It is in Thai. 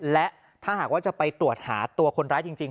และถ้าหากว่าจะไปตรวจหาตัวคนร้ายจริง